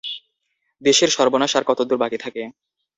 দেশের সর্বনাশ আর কত দূর বাকি থাকে?